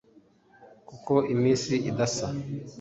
kuko iminsi idasa